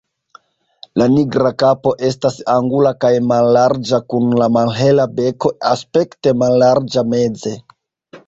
La nigra kapo estas angula kaj mallarĝa kun la malhela beko aspekte mallarĝa meze.